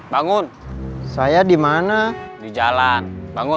bangun saya dimana di jalan bangun